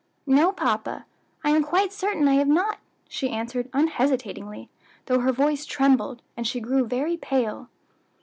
"No, papa. I am quite certain I have not," she answered unhesitatingly, though her voice trembled, and she grey very pale.